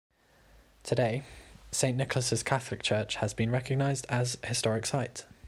Today, Saint Nicholas' Catholic Church has been recognized as a historic site.